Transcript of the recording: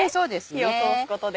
火を通すことで。